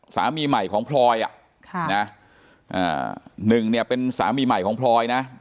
สามีใหม่ของพลอยหนะ๑เป็นสามีใหม่ของพลอยนะ